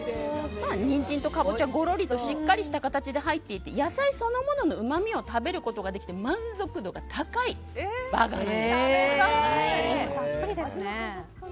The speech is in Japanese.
ニンジンとカボチャがごろりとしっかりとした形で入っていて野菜そのもののうまみを食べることができて味の想像がつかないな。